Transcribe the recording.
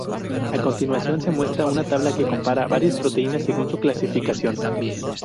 A continuación se muestra una tabla que compara varias proteínas según su clasificación.